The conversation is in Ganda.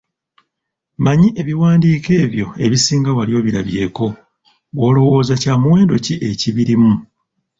Mmanyi ebiwandiiko ebyo ebisinga wali obirabyeko, ggwe olowooza kyamuwendo ki ekibirimu?